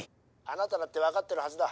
あなただって分かってるはずだ。